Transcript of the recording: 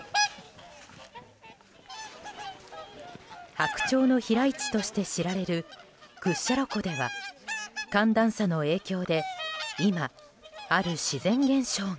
白鳥の飛来地として知られる屈斜路湖では寒暖差の影響で今、ある自然現象が。